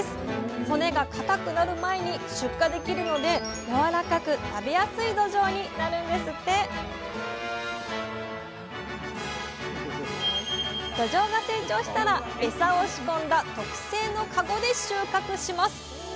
骨がかたくなる前に出荷できるのでやわらかく食べやすいどじょうになるんですってどじょうが成長したらエサを仕込んだ特製のカゴで収穫します。